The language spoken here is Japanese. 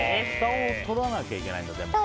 ふたを取らなきゃいけないんだ。